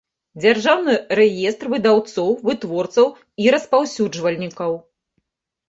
Дзяржаўны рэестр выдаўцоў, вытворцаў i распаўсюджвальнiкаў.